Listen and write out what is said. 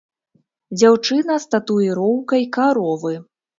Дзяўчына з татуіроўкай каровы.